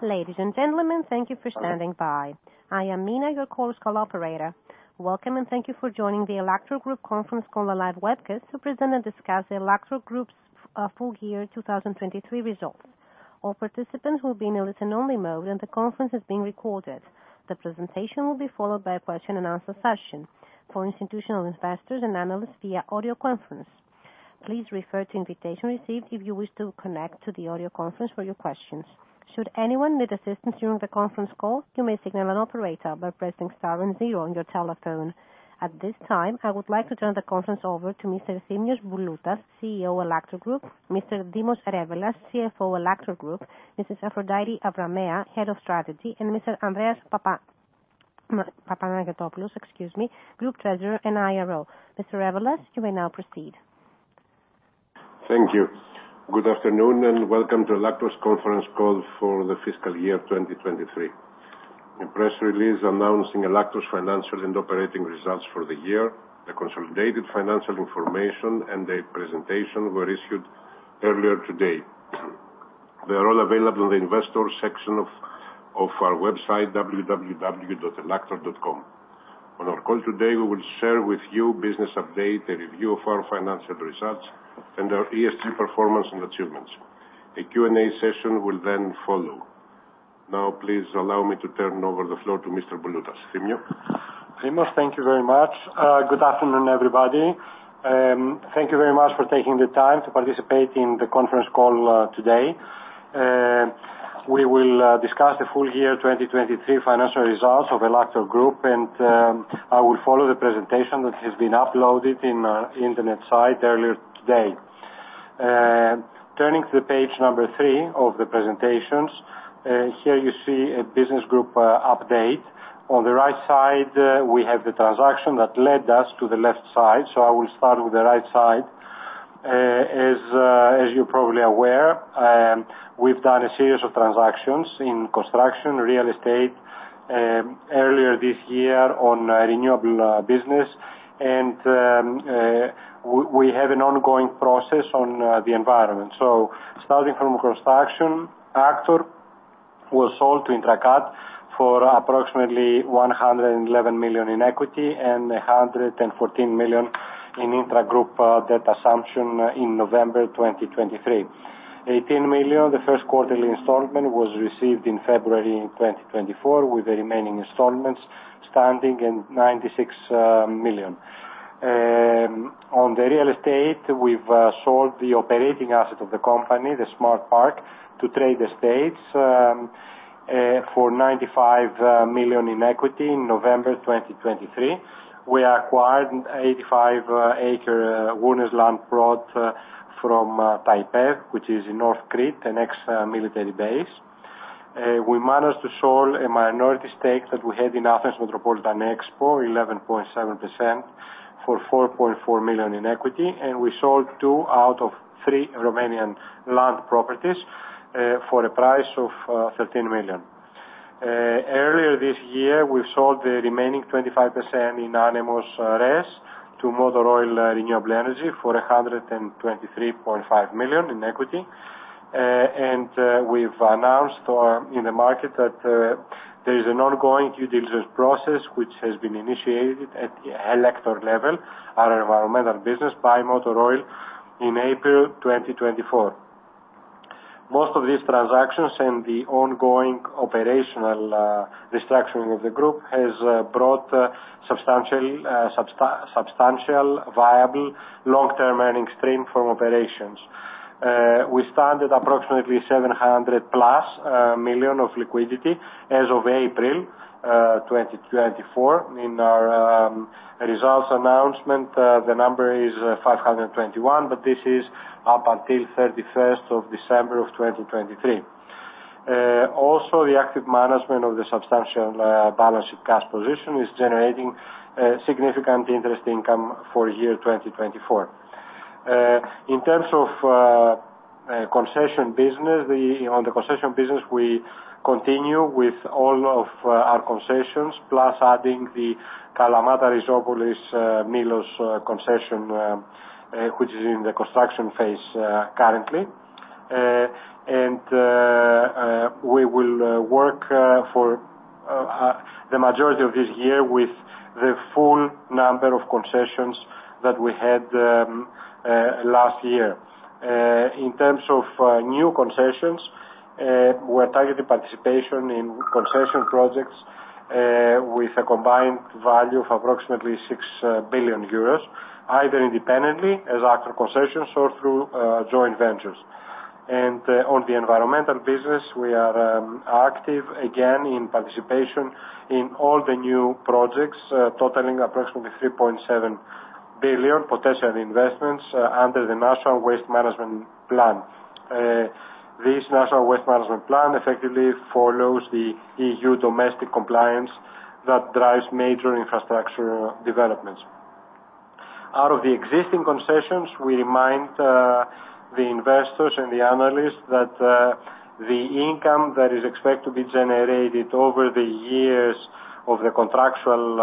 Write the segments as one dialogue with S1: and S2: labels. S1: Ladies and gentlemen, thank you for standing by. I am Mina, your call's call operator. Welcome, and thank you for joining the ELLAKTOR Group conference call live webcast to present and discuss the ELLAKTOR Group's full year 2023 results. All participants will be in a listen-only mode, and the conference is being recorded. The presentation will be followed by a question and answer session for institutional investors and analysts via audio conference. Please refer to invitation received if you wish to connect to the audio conference for your questions. Should anyone need assistance during the conference call, you may signal an operator by pressing star and zero on your telephone. At this time, I would like to turn the conference over to Mr. Efthymios Bouloutas, CEO, ELLAKTOR Group; Mr. Dimos Revelas, CFO, ELLAKTOR Group; Mrs. Afroditi Avramea, Head of Strategy; and Mr. Andreas Papaangelopoulos, excuse me, Group Treasurer and IRL. Mr. Revelas, you may now proceed.
S2: Thank you. Good afternoon, and welcome to ELLAKTOR's conference call for the fiscal year 2023. The press release announcing ELLAKTOR's financial and operating results for the year, the consolidated financial information, and the presentation were issued earlier today. They are all available on the investor section of our website, www.ellaktor.com. On our call today, we will share with you business update, a review of our financial results, and our ESG performance and achievements. A Q&A session will then follow. Now, please allow me to turn over the floor to Mr. Bouloutas.?
S3: Dimos, thank you very much. Good afternoon, everybody. Thank you very much for taking the time to participate in the conference call today. We will discuss the full year 2023 financial results of ELLAKTOR Group, and I will follow the presentation that has been uploaded in internet site earlier today. Turning to the page number 3 of the presentations, here you see a business group update. On the right side, we have the transaction that led us to the left side, so I will start with the right side. As you're probably aware, we've done a series of transactions in construction, real estate, earlier this year on a renewable business, and we have an ongoing process on the environment. So starting from construction, AKTOR was sold to Intrakat for approximately 111 million in equity and 114 million in intra-group debt assumption in November 2023. 18 million, the first quarterly installment, was received in February 2024, with the remaining installments standing in 96 million. On the real estate, we've sold the operating asset of the company, the Smart Park, to Trade Estates for 95 million in equity in November 2023. We acquired 85-acre wellness land plot from TAIPED, which is in North Crete, the next military base. We managed to sell a minority stake that we had in Athens Metropolitan Expo, 11.7% for 4.4 million in equity, and we sold two out of three Romanian land properties for a price of 13 million. Earlier this year, we sold the remaining 25% in Anemos RES to Motor Oil Renewable Energy for 123.5 million in equity. We've announced in the market that there is an ongoing due diligence process, which has been initiated at the ELLAKTOR level, our environmental business, by Motor Oil in April 2024. Most of these transactions and the ongoing operational distraction of the group has brought substantial viable long-term earning stream from operations. We stand at approximately 700+ million of liquidity as of April 2024. In our results announcement, the number is 521 million, but this is up until December 31, 2023. Also, the active management of the substantial balance sheet cash position is generating significant interest income for year 2024. In terms of concession business, on the concession business, we continue with all of our concessions, plus adding the Kalamata Rizomylos Pylos concession, which is in the construction phase currently. And we will work for the majority of this year with the full number of concessions that we had last year. In terms of new concessions, we're targeting participation in concession projects with a combined value of approximately 6 billion euros, either independently as AKTOR Concessions or through joint ventures. On the environmental business, we are active again in participation in all the new projects totaling approximately 3.7 billion potential investments under the National Waste Management Plan. This National Waste Management Plan effectively follows the EU domestic compliance that drives major infrastructure developments. Out of the existing concessions, we remind the investors and the analysts that the income that is expected to be generated over the years of the contractual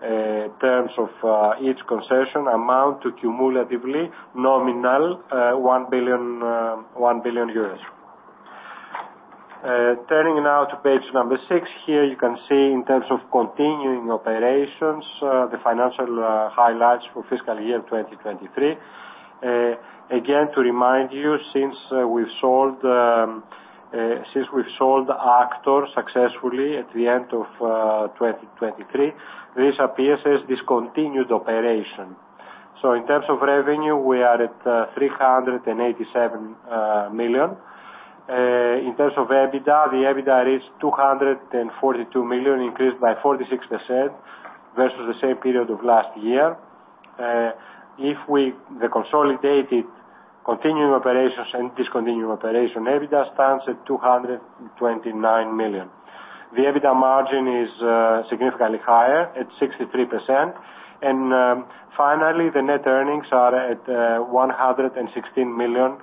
S3: terms of each concession amount to cumulatively nominal EUR 1 billion. Turning now to page number 6. Here you can see in terms of continuing operations, the financial highlights for fiscal year 2023. Again, to remind you, since we've sold AKTOR successfully at the end of 2023, this appears as discontinued operation. So in terms of revenue, we are at 387 million. In terms of EBITDA, the EBITDA is 242 million, increased by 46% versus the same period of last year. The consolidated continuing operations and discontinued operation, EBITDA stands at 229 million. The EBITDA margin is significantly higher at 63%. And finally, the net earnings are at 116 million,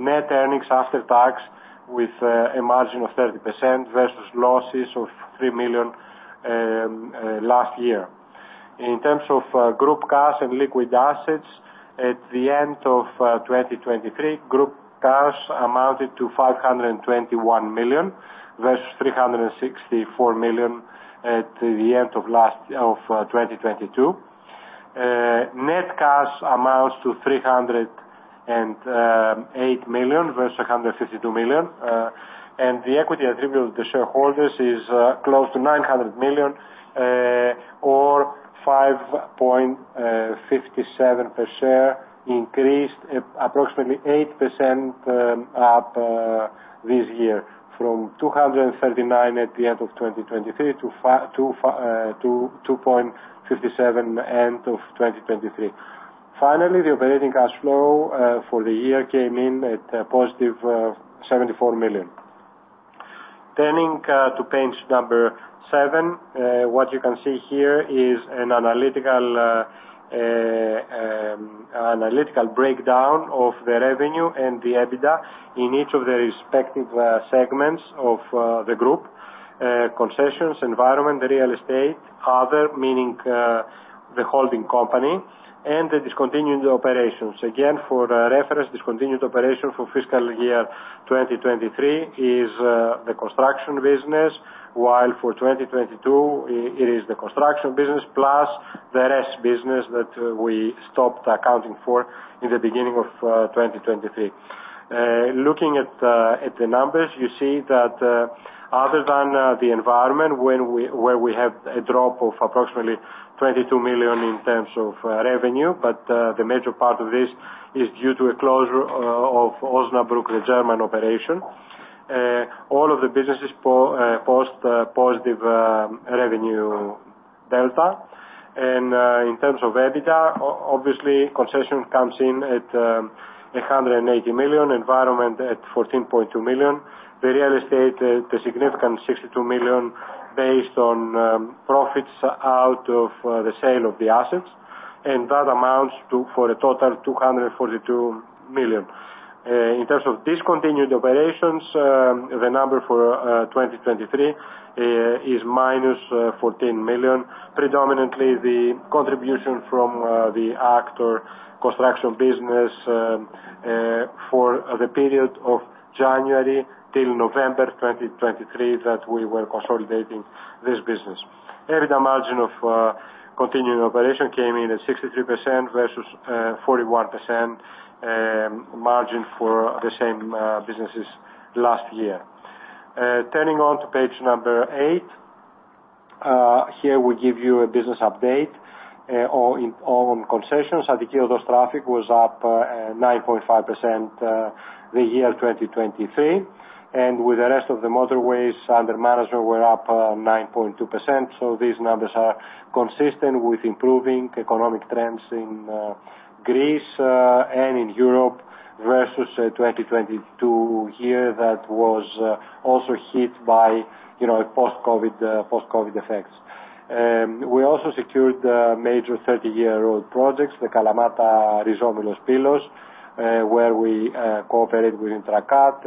S3: net earnings after tax, with a margin of 30% versus losses of 3 million last year. In terms of group cash and liquid assets, at the end of 2023, group cash amounted to 521 million, versus 364 million at the end of 2022. Net cash amounts to 308 million versus 152 million, and the equity attributable to the shareholders is close to 900 million, or 5.57 per share, increased approximately 8% up this year from 2.39 at the end of 2022 to 2.57 end of 2023. Finally, the operating cash flow for the year came in at a positive 74 million. Turning to page number 7, what you can see here is an analytical breakdown of the revenue and the EBITDA in each of the respective segments of the group. Concessions, environment, the real estate, other, meaning the holding company, and the discontinued operations. Again, for reference, discontinued operation for fiscal year 2023 is the construction business, while for 2022, it is the construction business plus the RES business that we stopped accounting for in the beginning of 2023. Looking at the numbers, you see that, other than the environment, where we have a drop of approximately 22 million in terms of revenue, but the major part of this is due to a closure of Osnabrück, the German operation. All of the businesses post positive revenue delta. In terms of EBITDA, obviously, concession comes in at 180 million, environment at 14.2 million. The real estate, the significant 62 million based on profits out of the sale of the assets, and that amounts to, for a total, 242 million. In terms of discontinued operations, the number for 2023 is -14 million, predominantly the contribution from the AKTOR construction business for the period of January till November 2023, that we were consolidating this business. EBITDA margin of continuing operation came in at 63% versus 41% margin for the same businesses last year. Turning on to page number 8, here we give you a business update on concessions. Attica Odos traffic was up 9.5% the year 2023, and with the rest of the motorways under management were up 9.2%. So these numbers are consistent with improving economic trends in Greece and in Europe versus 2022 year that was also hit by, you know, a post-COVID, post-COVID effects. We also secured a major 30-year road projects, the Kalamata-Rizomylos-Pylos, where we cooperated with Intrakat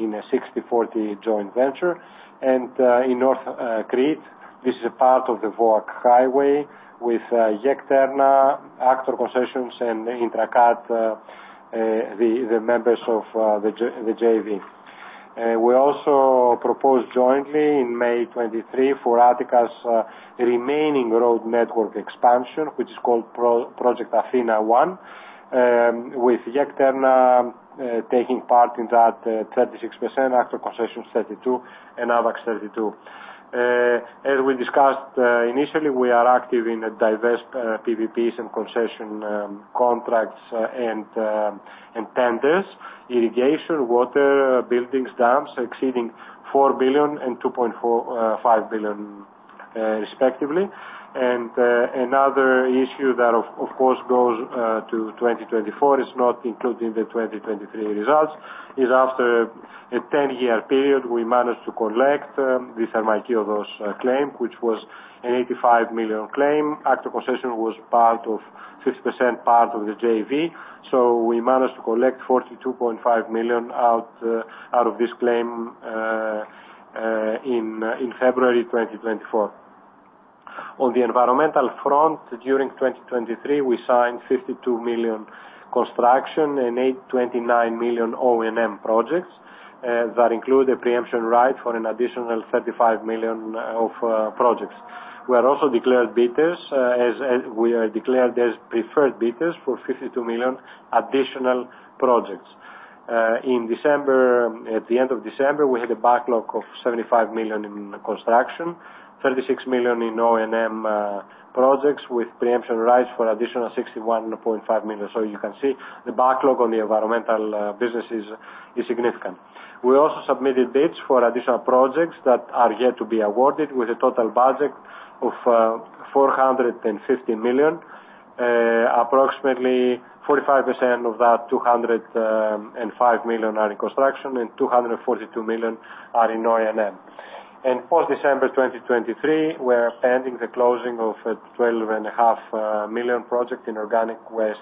S3: in a 60/40 joint venture, and in North Crete, this is a part of the VOAK highway with GEK TERNA, AKTOR Concessions, and Intrakat, the members of the JV. We also proposed jointly in May 2023 for Attica's remaining road network expansion, which is called Project ATHINA I, with GEK TERNA taking part in that, 36%, AKTOR Concessions 32%, and AVAX 32%. As we discussed initially, we are active in a diverse PPPs and concession contracts and tenders, irrigation, water, buildings, dams exceeding 4 billion and 2.45 billion, respectively. Another issue that, of course, goes to 2024 is not included in the 2023 results, is after a 10-year period, we managed to collect this Moreas claim, which was an 85 million claim. AKTOR Concession was part of... 50% part of the JV, so we managed to collect 42.5 million out of this claim in February 2024. On the environmental front, during 2023, we signed 52 million construction and 829 million O&M projects that include a preemption right for an additional 35 million of projects. We are also declared bidders, as we are declared as preferred bidders for 52 million additional projects. In December, at the end of December, we had a backlog of 75 million in construction, 36 million in O&M projects, with preemption rights for additional 61.5 million. So you can see the backlog on the environmental business is significant. We also submitted bids for additional projects that are yet to be awarded, with a total budget of 450 million. Approximately 45% of that, 205 million are in construction and 242 million are in O&M. Post-December 2023, we're pending the closing of a 12.5 million project in organic waste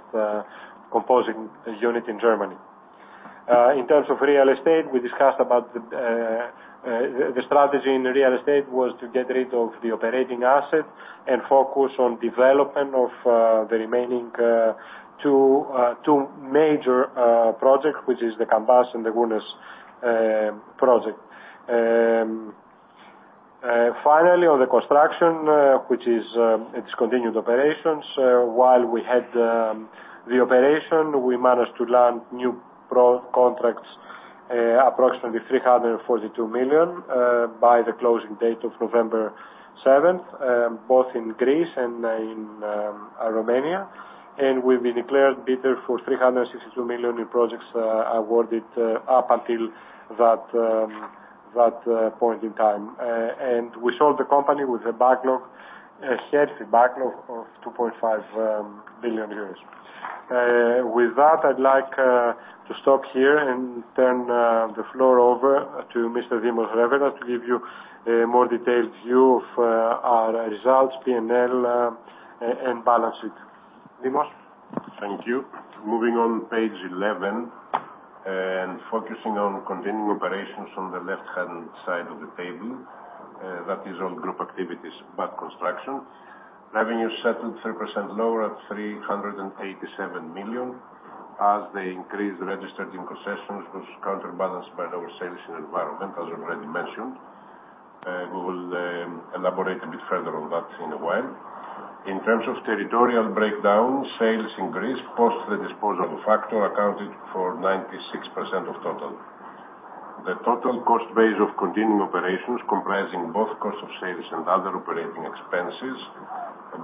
S3: composting unit in Germany. In terms of real estate, we discussed about the strategy in real estate was to get rid of the operating assets and focus on development of the remaining two major projects, which is the Cambas and the Gournes project. Finally, on the construction, which is its continued operations. While we had the operation, we managed to land new contracts, approximately 342 million, by the closing date of November seventh, both in Greece and in Romania. And we've been declared bidder for 362 million new projects, awarded, up until that point in time. And we sold the company with a backlog, a hefty backlog of 2.5 billion euros. With that, I'd like to stop here and turn the floor over to Mr. Dimos Revelas to give you a more detailed view of our results, P&L, and balance sheet. Dimos?
S2: Thank you. Moving on page 11, and focusing on continuing operations on the left-hand side of the table, that is all group activities, but construction. Revenue settled 3% lower at 387 million, as the increase registered in concessions was counterbalanced by lower sales in environment, as already mentioned. We will elaborate a bit further on that in a while. In terms of territorial breakdown, sales in Greece, post the disposal of the AKTOR, accounted for 96% of total. The total cost base of continuing operations, comprising both cost of sales and other operating expenses,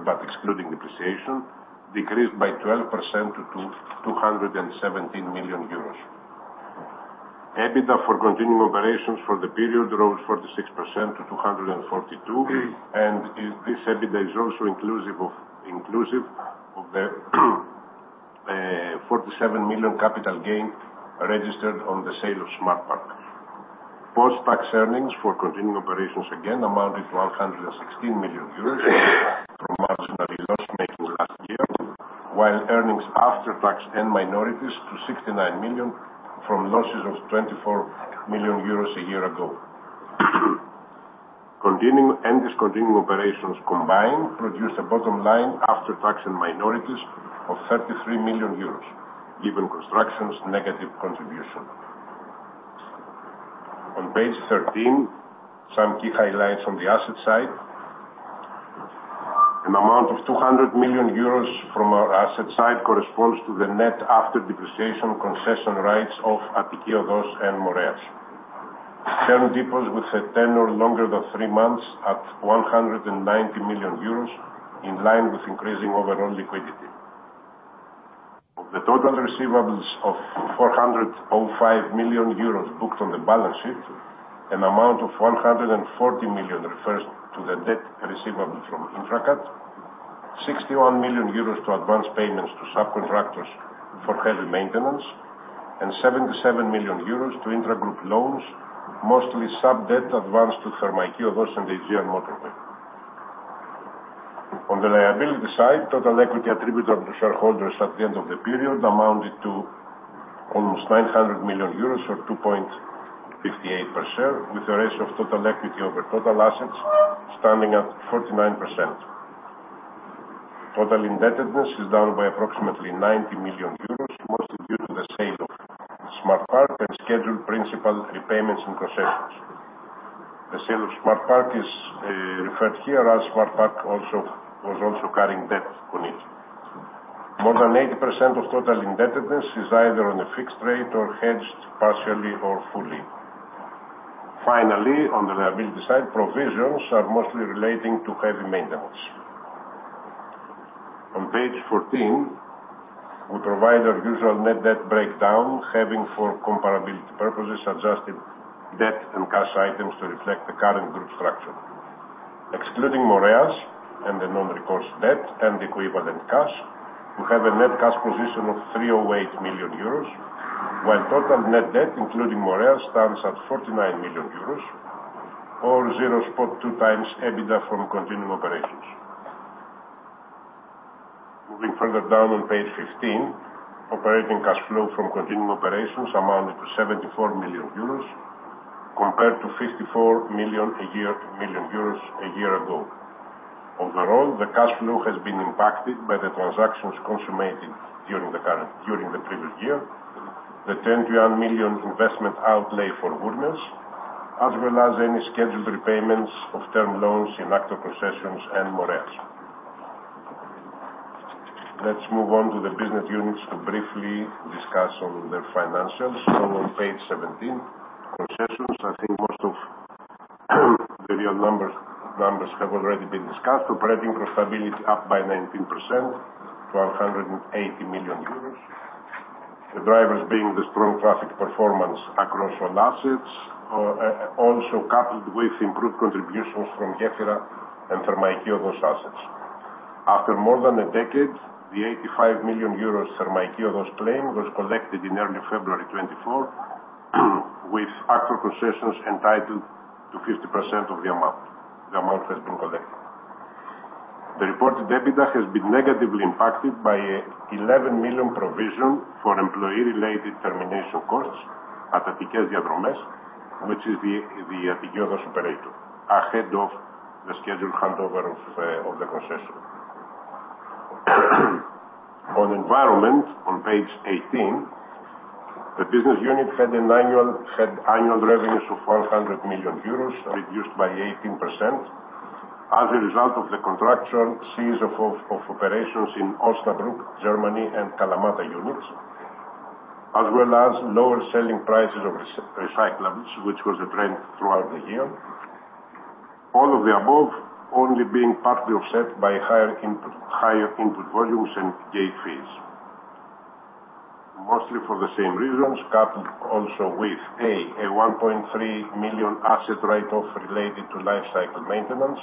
S2: but excluding depreciation, decreased by 12% to 217 million euros. EBITDA for continuing operations for the period rose 46% to 242 million, and this EBITDA is also inclusive of the 47 million capital gain registered on the sale of Smart Park. Post-tax earnings for continuing operations again amounted to 116 million euros from marginal loss-making last year, while earnings after tax and minorities to 69 million from losses of 24 million euros a year ago. Continuing and discontinuing operations combined produced a bottom line after tax and minorities of 33 million euros, given construction's negative contribution. On page 13, some key highlights on the asset side. An amount of 200 million euros from our asset side corresponds to the net after depreciation concession rights of Attica Odos and Moreas. Term deposits with terms of 10 or longer than 3 months at 190 million euros, in line with increasing overall liquidity. The total receivables of 405 million euros booked on the balance sheet, an amount of 140 million refers to the debt receivable from Intrakat, 61 million euros to advance payments to subcontractors for heavy maintenance, and 77 million euros to intragroup loans, mostly sub-debt advanced to Thermaikos and Aegean Motorway. On the liability side, total equity attributable to shareholders at the end of the period amounted to almost 900 million euros, or 2.58 per share, with a ratio of total equity over total assets standing at 49%. Total indebtedness is down by approximately 90 million euros, mostly due to the sale of Smart Park and scheduled principal repayments and concessions. The sale of Smart Park is referred here, as Smart Park also was carrying debt on it. More than 80% of total indebtedness is either on a fixed rate or hedged, partially or fully. Finally, on the liability side, provisions are mostly relating to heavy maintenance. On page 14, we provide our usual net debt breakdown, having, for comparability purposes, adjusted debt and cash items to reflect the current group structure. Excluding Moreas and the non-recourse debt and equivalent cash, we have a net cash position of 308 million euros, while total net debt, including Moreas, stands at 49 million euros, or 0.2x EBITDA from continuing operations. Moving further down on page 15, operating cash flow from continuing operations amounted to 74 million euros, compared to 54 million a year ago. Overall, the cash flow has been impacted by the transactions consummated during the previous year. The 10 million investment outlay for Gefyra, as well as any scheduled repayments of term loans in active concessions and more else. Let's move on to the business units to briefly discuss on their financials. On page 17, concessions, I think most of the real numbers have already been discussed. Operating profitability up 19% to 180 million euros. The drivers being the strong traffic performance across all assets, also coupled with improved contributions from Gefyra and Thermaikos assets. After more than a decade, the 85 million euros Thermaikos claim was collected in early February 2024, with active concessions entitled to 50% of the amount. The amount has been collected. The reported EBITDA has been negatively impacted by 11 million provision for employee-related termination costs at Attikes Diadromes, which is the Attiki Odos operator, ahead of the scheduled handover of the concession. On environment, on page eighteen, the business unit had annual revenues of 400 million euros, reduced by 18% as a result of the contractual cease of operations in Osnabrück, Germany, and Kalamata units, as well as lower selling prices of recyclables, which was a trend throughout the year. All of the above only being partly offset by higher input volumes and gate fees. Mostly for the same reasons, coupled also with, A, a 1.3 million asset write-off related to lifecycle maintenance,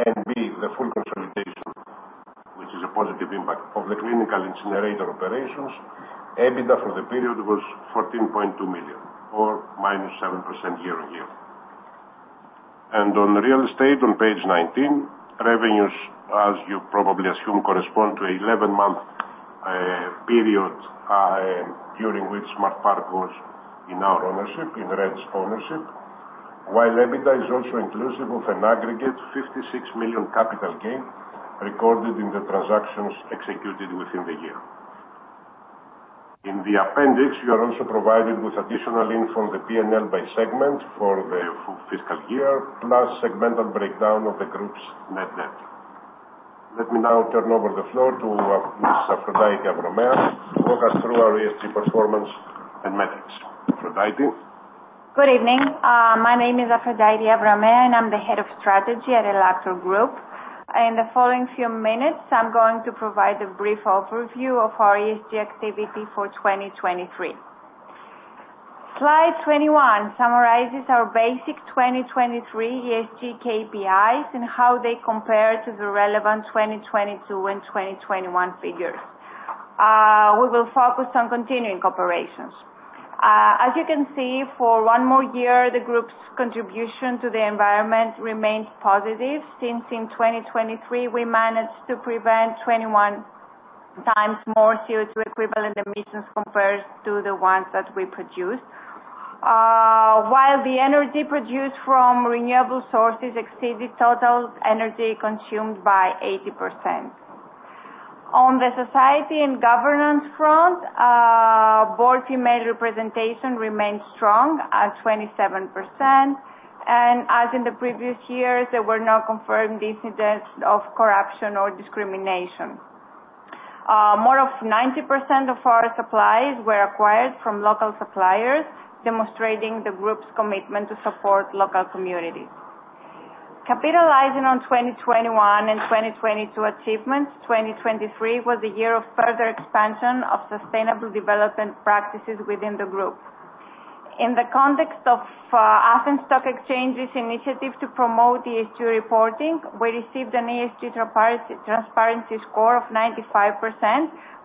S2: and B, the full consolidation, which is a positive impact of the clinical incinerator operations. EBITDA for the period was 14.2 million, or -7% year-on-year. On real estate, on page 19, revenues, as you probably assume, correspond to 11-month period during which Smart Park was in our ownership, in REDS' ownership. While EBITDA is also inclusive of an aggregate 56 million capital gain recorded in the transactions executed within the year. In the appendix, you are also provided with additional info on the PNL by segment for the full fiscal year, plus segmental breakdown of the group's net net. Let me now turn over the floor to Miss Aphrodite Avramea, to walk us through our ESG performance and metrics. Aphrodite?
S4: Good evening. My name is Afroditi Avramea, and I'm the Head of Strategy at ELLAKTOR Group. In the following few minutes, I'm going to provide a brief overview of our ESG activity for 2023. Slide 21 summarizes our basic 2023 ESG KPIs and how they compare to the relevant 2022 and 2021 figures. We will focus on continuing operations. As you can see, for one more year, the group's contribution to the environment remained positive, since in 2023 we managed to prevent 21x more CO2 equivalent emissions compared to the ones that we produced. While the energy produced from renewable sources exceeded total energy consumed by 80%. On the society and governance front, board female representation remained strong at 27%, and as in the previous years, there were no confirmed incidents of corruption or discrimination. More of 90% of our supplies were acquired from local suppliers, demonstrating the group's commitment to support local communities. Capitalizing on 2021 and 2022 achievements, 2023 was a year of further expansion of sustainable development practices within the group. In the context of Athens Stock Exchange's initiative to promote ESG reporting, we received an ESG transparency score of 95%,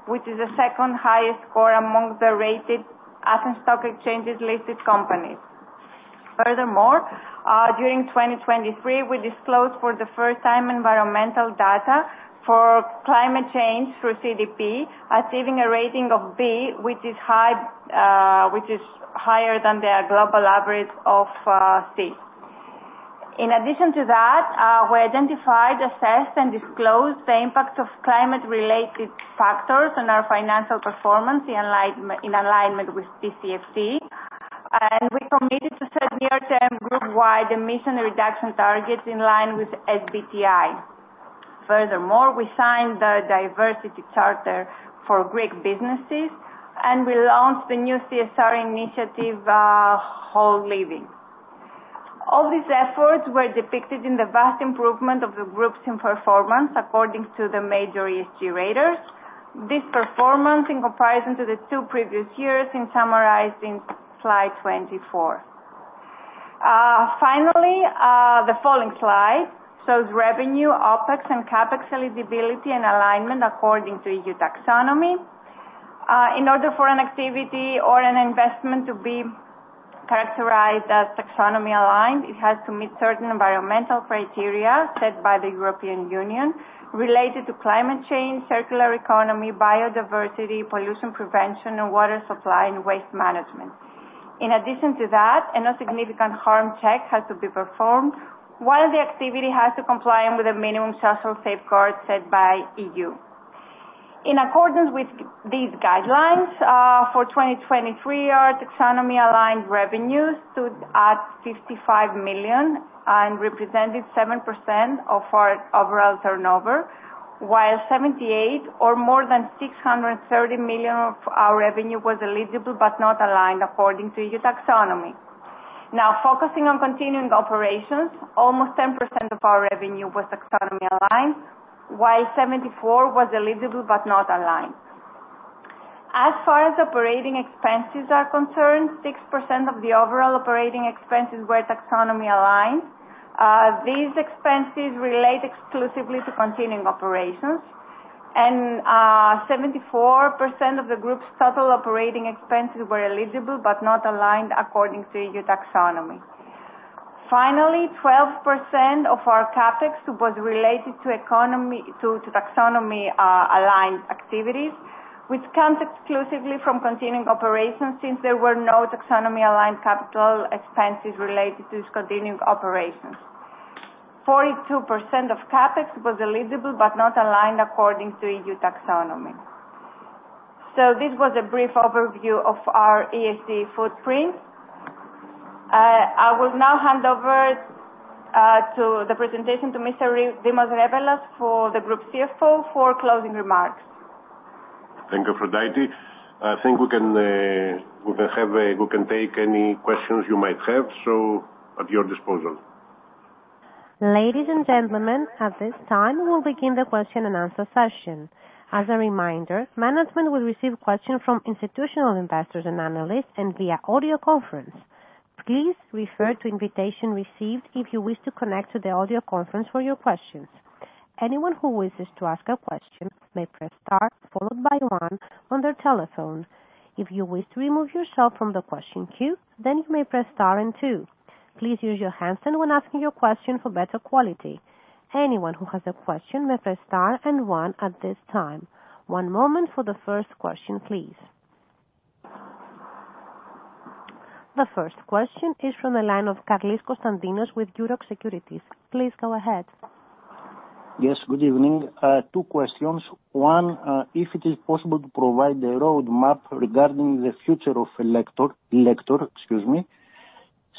S4: which is the second highest score among the rated Athens Stock Exchange-listed companies. Furthermore, during 2023, we disclosed for the first time environmental data for climate change through CDP, achieving a rating of B, which is high, which is higher than their global average of C. In addition to that, we identified, assessed, and disclosed the impact of climate-related factors on our financial performance in alignment with TCFD. And we committed to set near-term group-wide emission reduction targets in line with SBTi. Furthermore, we signed the Diversity Charter for Greek businesses, and we launched the new CSR initiative, Whole Living. All these efforts were depicted in the vast improvement of the groups in performance, according to the major ESG raters. This performance, in comparison to the two previous years, in summarizing slide 24. Finally, the following slide shows revenue, OpEx, and CapEx eligibility and alignment according to EU Taxonomy. In order for an activity or an investment to be characterized as taxonomy-aligned, it has to meet certain environmental criteria set by the European Union related to climate change, circular economy, biodiversity, pollution prevention, and water supply and waste management. In addition to that, a no significant harm check has to be performed, while the activity has to comply with the minimum social safeguards set by EU. In accordance with these guidelines, for 2023, our taxonomy-aligned revenues stood at 55 million and represented 7% of our overall turnover, while 78% or more than 630 million of our revenue was eligible but not aligned according to EU taxonomy. Now, focusing on continuing operations, almost 10% of our revenue was taxonomy-aligned, while 74% was eligible but not aligned. As far as operating expenses are concerned, 6% of the overall operating expenses were taxonomy-aligned. These expenses relate exclusively to continuing operations, and 74% of the group's total operating expenses were eligible but not aligned according to EU taxonomy. Finally, 12% of our CapEx was related to economy-to taxonomy aligned activities, which comes exclusively from continuing operations, since there were no taxonomy-aligned capital expenses related to discontinuing operations. 42% of CapEx was eligible but not aligned according to EU taxonomy. So this was a brief overview of our ESG footprint. I will now hand over to the presentation to Mr. Dimos Revelas, Group CFO, for closing remarks.
S2: Thank you, Afroditi. I think we can take any questions you might have, so at your disposal.
S1: Ladies and gentlemen, at this time, we'll begin the question and answer session. As a reminder, management will receive questions from institutional investors and analysts and via audio conference. Please refer to invitation received if you wish to connect to the audio conference for your questions. Anyone who wishes to ask a question may press star, followed by one on their telephone. If you wish to remove yourself from the question queue, then you may press star and two. Please use your handset when asking your question for better quality. Anyone who has a question may press star and one at this time. One moment for the first question, please. The first question is from the line of Constantinos Carlis with Euroxx Securities. Please go ahead.
S5: Yes, good evening. Two questions. One, if it is possible, to provide a roadmap regarding the future of ELLAKTOR, ELLAKTOR, excuse me.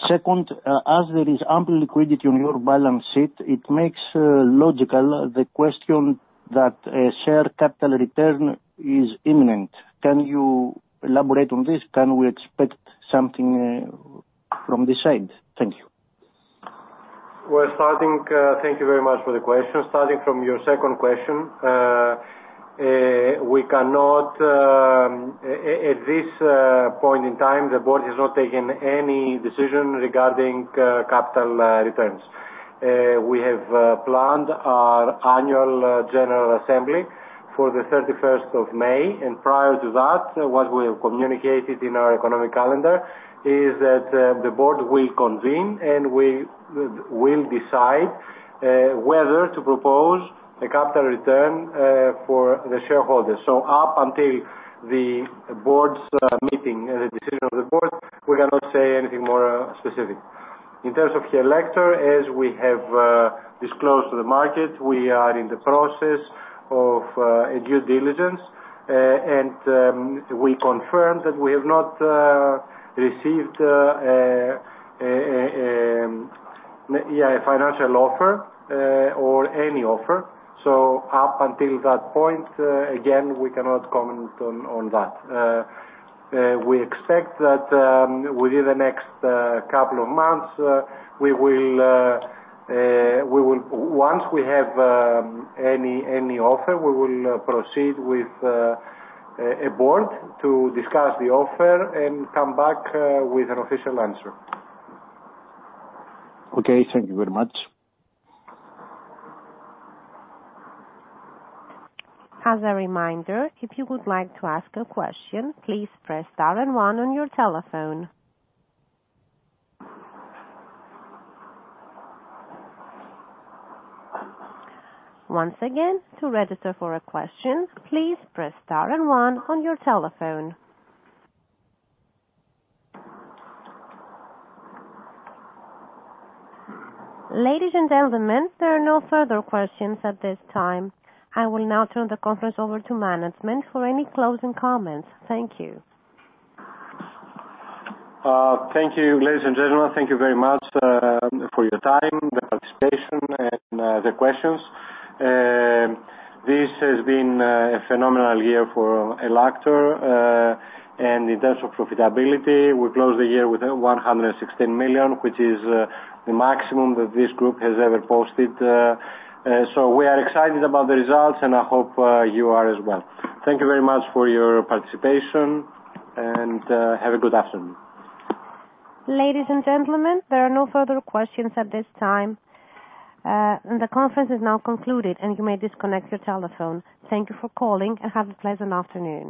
S5: Second, as there is ample liquidity on your balance sheet, it makes logical the question that a share capital return is imminent. Can you elaborate on this? Can we expect something from this side? Thank you.
S3: We're starting. Thank you very much for the question. Starting from your second question, we cannot at this point in time. The board has not taken any decision regarding capital returns. We have planned our annual general assembly for the thirty-first of May, and prior to that, what we have communicated in our economic calendar is that the board will convene, and we will decide whether to propose a capital return for the shareholders. So up until the board's meeting and the decision of the board, we cannot say anything more specific. In terms of ELLAKTOR, as we have disclosed to the market, we are in the process of a due diligence, and we confirm that we have not received a financial offer or any offer. So up until that point, again, we cannot comment on that. We expect that within the next couple of months, we will... Once we have any offer, we will proceed with a board to discuss the offer and come back with an official answer.
S5: Okay. Thank you very much.
S1: As a reminder, if you would like to ask a question, please press star and one on your telephone. Once again, to register for a question, please press star and one on your telephone. Ladies and gentlemen, there are no further questions at this time. I will now turn the conference over to management for any closing comments. Thank you.
S3: Thank you, ladies and gentlemen. Thank you very much, for your time, the participation, and, the questions. This has been, a phenomenal year for ELLAKTOR, and in terms of profitability, we closed the year with 116 million, which is, the maximum that this group has ever posted. So we are excited about the results, and I hope, you are as well. Thank you very much for your participation, and, have a good afternoon.
S1: Ladies and gentlemen, there are no further questions at this time. The conference is now concluded, and you may disconnect your telephone. Thank you for calling, and have a pleasant afternoon.